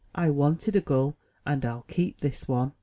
I wanted a gull; and I'll keep this one."